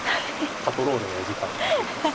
パトロールのお時間がやってきます。